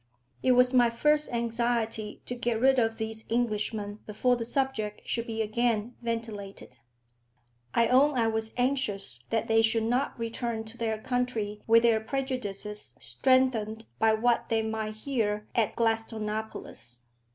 It was my first anxiety to get rid of these Englishmen before the subject should be again ventilated. I own I was anxious that they should not return to their country with their prejudices strengthened by what they might hear at Gladstonopolis.